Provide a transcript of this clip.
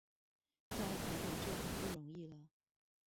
在台北就很不容易了